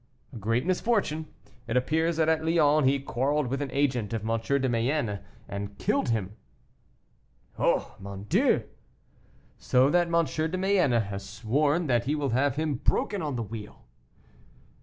"A great misfortune. It appears that at Lyons he quarreled with an agent of M. de Mayenne's and killed him." "Oh! mon Dieu!" "So that M. de Mayenne has sworn that he will have him broken on the wheel."